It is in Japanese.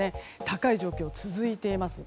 高い状況が続いています。